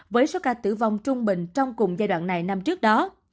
với số ca tử vong trung bình trong cùng giai đoạn này năm trước đó